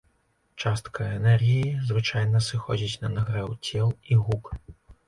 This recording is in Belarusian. Частка энергіі звычайна сыходзіць на нагрэў цел і гук.